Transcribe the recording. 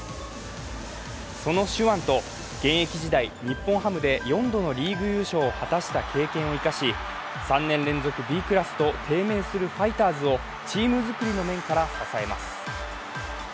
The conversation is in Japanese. その手腕と現役時代、日本ハムで４度のリーグ優勝を果たした経験を生かし３年連続Ｂクラスと低迷するファイターズをチームづくりの面から支えます。